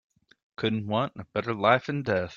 Couldn't want a better life and death.